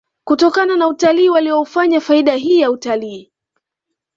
kutokana na utalii waliyoufanya faida hii ya utalii